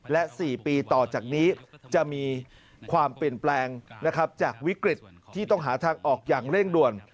และ๔ปีต่อจากนี้จะมีความเปลี่ยนแปลงจากวิกฤตที่ต้องหาทางออกอย่างเร่งด่วน